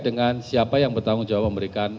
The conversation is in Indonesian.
dengan siapa yang bertanggung jawab memberikan